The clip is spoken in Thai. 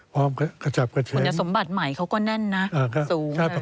ควรอย่างสมบัติใหม่เขาก็แน่นนะ